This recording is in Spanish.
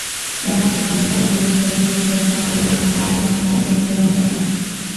Se ha sugerido el virus del papiloma humano como posible etiología.